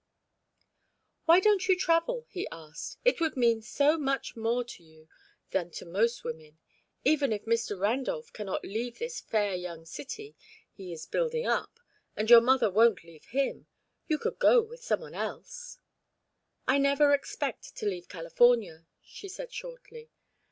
"Why don't you travel?" he asked. "It would mean so much more to you than to most women. Even if Mr. Randolph cannot leave this fair young city he is building up, and your mother won't leave him, you could go with some one else " "I never expect to leave California," she said shortly.